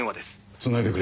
繋いでくれ。